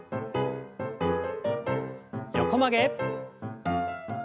横曲げ。